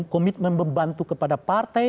komitmen membantu kepada partai